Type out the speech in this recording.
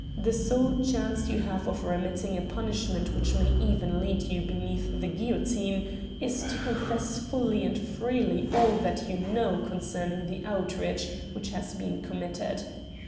The sole chance you have of remitting a punishment which may even lead you beneath the guillotine is to confess fully and freely all that you know concerning the outrage which has been committed.